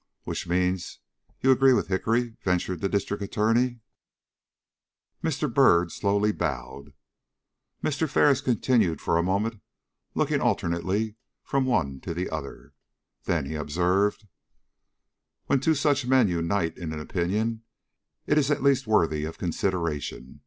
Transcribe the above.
"Which means you agree with Hickory?" ventured the District Attorney. Mr. Byrd slowly bowed. Mr. Ferris continued for a moment looking alternately from one to the other; then he observed: "When two such men unite in an opinion, it is at least worthy of consideration."